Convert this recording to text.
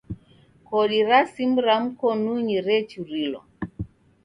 Kodi ra simu ra mkonunyi rechurilwa.